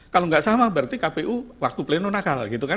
kalau nggak salah berarti kpu waktu pleno nakal gitu kan